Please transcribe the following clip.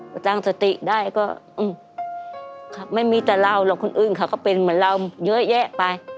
พอตั้งสติได้ก็ไม่มีแต่เราหรอกคนอื่นเขาก็เป็นเหมือนเราเยอะแยะไป